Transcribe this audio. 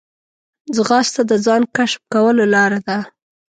ځغاسته د ځان کشف کولو لاره ده